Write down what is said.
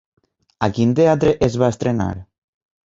A quin teatre es va estrenar?